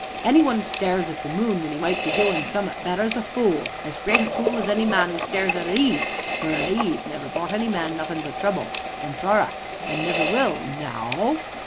Any one as stares at the moon when 'e might be doin' summ'at better is a fool, as great a fool as any man as stares at a Eve, for a Eve never brought any man nothin' but trouble and sorrer, and never will, no'ow?